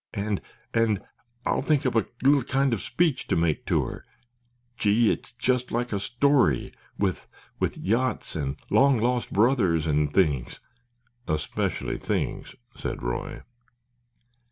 "And—and—I'll think up a little kind of a speech to make to her—gee, it's just like a story, with—with—yachts and long lost brothers and things——" "Especially things," said Roy.